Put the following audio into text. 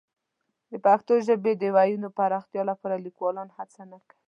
د پښتو ژبې د وییونو پراختیا لپاره لیکوالان هڅه نه کوي.